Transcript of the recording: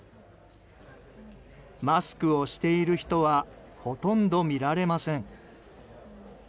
マスクをしている人はほとんど見られません。